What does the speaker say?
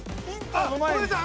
◆あ、ごめんなさい。